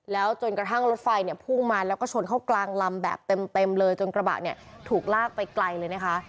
แล้วจนกระทั่งรถไฟเนี่ยพุ่งมาแล้วก็ชนเข้ากลางลำแบบเต็มเลยจนกระบะเนี่ยถูกลากไปไกลเลยนะคะ